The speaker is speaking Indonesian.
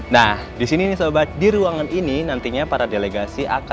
nah di sini nih sobat di ruangan ini nantinya para delegasi akan menemukan